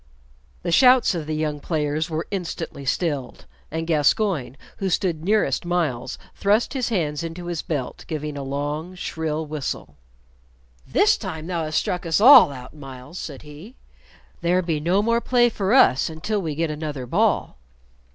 The shouts of the young players were instantly stilled, and Gascoyne, who stood nearest Myles, thrust his hands into his belt, giving a long shrill whistle. "This time thou hast struck us all out, Myles," said he. "There be no more play for us until we get another ball."